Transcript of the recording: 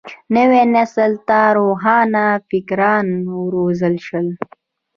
نوي نسل ته روښان فکران وروزل شول.